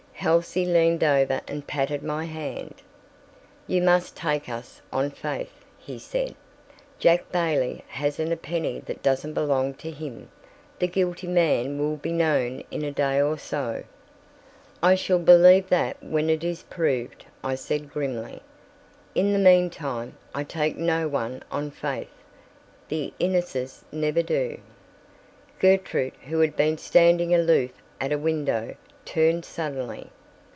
Halsey leaned over and patted my hand. "You must take us on faith," he said. "Jack Bailey hasn't a penny that doesn't belong to him; the guilty man will be known in a day or so." "I shall believe that when it is proved," I said grimly. "In the meantime, I take no one on faith. The Inneses never do." Gertrude, who had been standing aloof at a window, turned suddenly.